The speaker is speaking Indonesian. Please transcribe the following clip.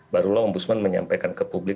barulah om busman menyampaikan ke publik